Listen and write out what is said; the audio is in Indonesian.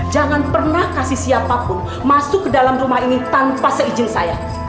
jangan pernah kasih siapapun masuk ke dalam rumah ini tanpa seizin saya